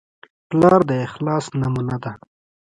پلار د اخلاص نمونه ده.